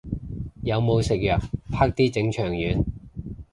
有冇食藥，啪啲整腸丸